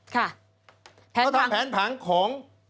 ค่ะแผนผังแล้วทำแผนผังของ